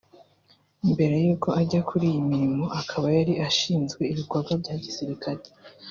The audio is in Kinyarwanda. mbere yuko ajya kuri iyi mirimo akaba yari ashinzwe ibikorwa bya gisirikare